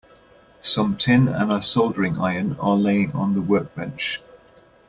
Some tin and a soldering iron are laying on the workbench.